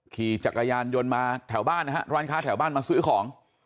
ขี่จักรยานยนต์มาแถวบ้านนะฮะร้านค้าแถวบ้านมาซื้อของ